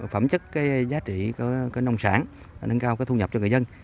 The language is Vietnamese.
phẩm chất giá trị của nông sản nâng cao thu nhập cho người dân